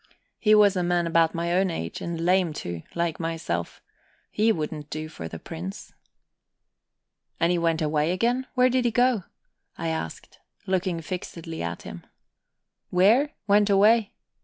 "He was a man about my own age, and lame, too, like myself. He wouldn't do for the prince." "And he went away again? Where did he go?" I asked, looking fixedly at him. "Where? Went away?